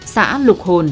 xã lục hồn